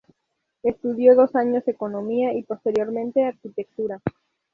Estudió dos años Economía y posteriormente Arquitectura.